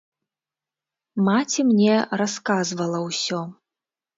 Маці мне расказвала ўсё.